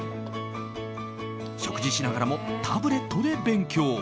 食事しながらもタブレットで勉強。